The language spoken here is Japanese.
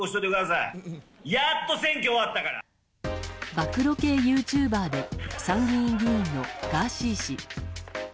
暴露系ユーチューバーで参議院議員のガーシー氏。